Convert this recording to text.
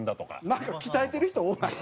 なんか鍛えてる人多ない？